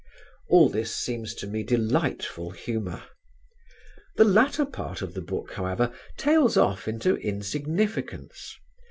All this seems to me delightful humour. The latter part of the book, however, tails off into insignificance.